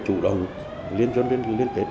chủ động liên kết